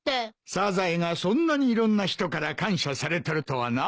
サザエがそんなにいろんな人から感謝されとるとはなあ。